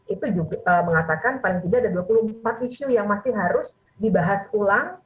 itu juga mengatakan paling tidak ada dua puluh empat isu yang masih harus dibahas ulang